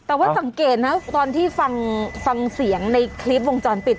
แต่ว่าสังเกตนะตอนที่ฟังเสียงในคลิปวงจรปิด